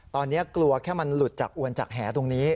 ตอนนี้กลัวแค่มันหลุดจากอวนจากแหตรงนี้